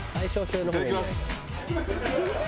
いただきます。